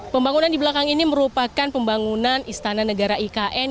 pembangunan di belakang ini merupakan pembangunan istana negara ikn